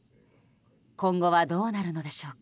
今後はどうなるのでしょうか。